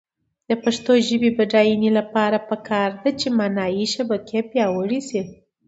د پښتو ژبې د بډاینې لپاره پکار ده چې معنايي شبکې پیاوړې شي.